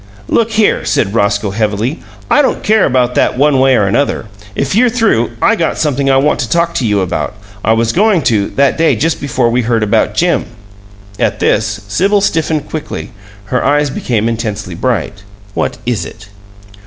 "Look here," said Roscoe, heavily; "I don't care about that one way or another. If you're through, I got something I want to talk to you about. I was going to, that day just before we heard about Jim." At this Sibyl stiffened quickly; her eyes became intensely bright. "What is it?"